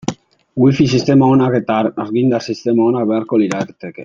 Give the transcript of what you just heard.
Wifi sistema onak eta argindar sistema onak beharko lirateke.